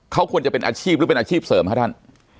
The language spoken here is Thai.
เขาควรจะเป็นอาชีพหรือเป็นอาชีพเสริมครับท่าน